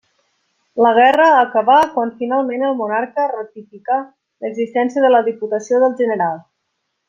La guerra acabà quan finalment el monarca ratificà l'existència de la Diputació del General.